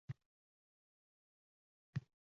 Info-tur ishtirokchilari Ulli hovlida bo‘lishdi